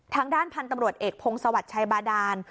ทางด้านพันธุ์ตำรวจเอกพงศวรรค์ชัยบาดาน